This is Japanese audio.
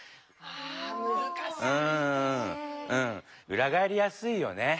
うらがえりやすいよね。